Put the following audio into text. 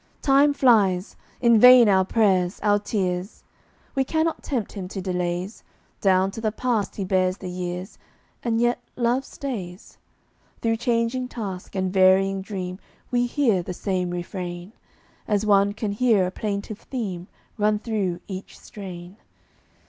Time flies. In vain our prayers, our tears! We cannot tempt him to delays; Down to the past he bears the years, And yet love stays. Through changing task and varying dream We hear the same refrain, As one can hear a plaintive theme Run through each strain.